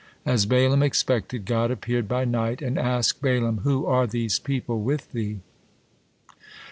As Balaam expected, God appeared by night and asked Balaam, "Who are these people with thee?"